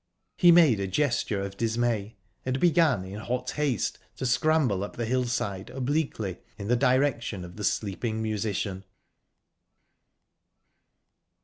He made a gesture of dismay, and began in hot haste to scramble up the hillside obliquely, in the direction of the sleeping musician.